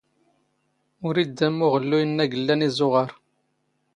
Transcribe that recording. ⵓⵔ ⵉⴷⴷ ⴰⵎ ⵓⵖⵍⵍⵓⵢ ⵏⵏⴰ ⴳ ⵍⵍⴰⵏ ⵉⵣⵓⵖⴰⵔ.